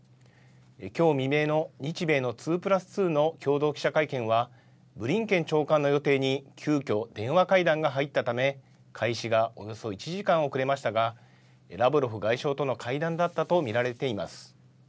きょう未明の日米の２プラス２の共同記者会見は、ブリンケン長官の予定に急きょ、電話会談が入ったため、開始がおよそ１時間遅れましたが、ラブロフ外相との会談だったと見られています。